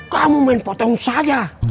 kamu main potong saja